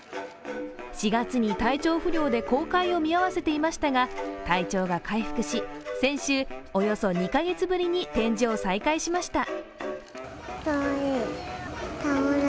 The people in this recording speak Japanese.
４月に体調不良で公開を見合わせていましたが体調が回復し、先週、およそ２カ月ぶりに展示を再開しました。